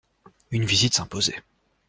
Une visite s’imposait.